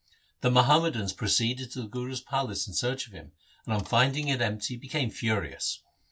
The Muhammadans proceeded to the Guru's palace in search of .him, and on finding it empty became furious.